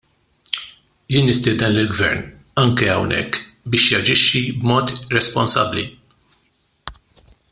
Jien nistieden lill-Gvern, anke hawnhekk, biex jaġixxi b'mod responsabbli.